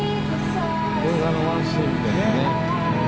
映画のワンシーンみたいなね。